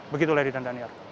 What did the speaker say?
begitu larry dan daniel